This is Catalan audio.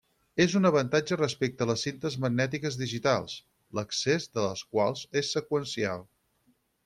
És un avantatge respecte a les cintes magnètiques digitals, l'accés de les quals és seqüencial.